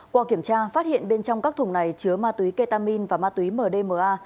qua kiểm tra phát hiện bên trong các thùng này chứa ma túy ketamin và ma túy mdma